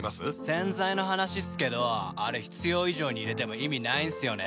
洗剤の話っすけどあれ必要以上に入れても意味ないんすよね。